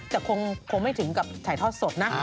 แต่คงไม่ถึงกับถ่ายทอดสดนะ